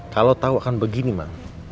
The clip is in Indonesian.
kalau tau akan begini mang